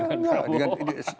ya saya enggak